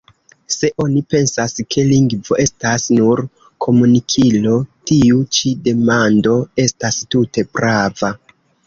Se oni pensas, ke lingvo estas nur komunikilo, tiu ĉi demando estas tute prava.